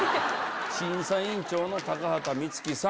審査委員長の高畑充希さん。